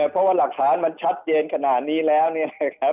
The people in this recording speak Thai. เพราะว่าหลักฐานมันชัดเจนขนาดนี้แล้วเนี่ยนะครับ